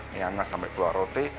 nyangas sampai keluarote